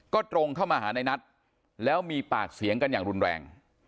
ก็ตรงเข้ามาหาในนัทแล้วมีปากเสียงกันอย่างรุนแรง